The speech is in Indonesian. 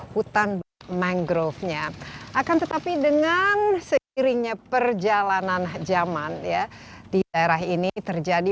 hutan mangrovenya akan tetapi dengan seiringnya perjalanan zaman ya di daerah ini terjadi